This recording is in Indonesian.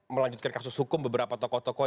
melanjutkan kasus hukum beberapa tokoh tokoh